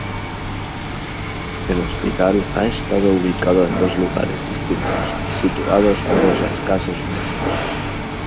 El hospital ha estado ubicado en dos lugares distintos, situados ambos a escasos metros.